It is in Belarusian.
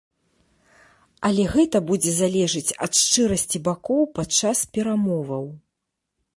Але гэта будзе залежаць ад шчырасці бакоў падчас перамоваў.